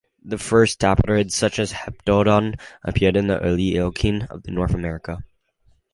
The first tapirids, such as "Heptodon", appeared in the early Eocene of North America.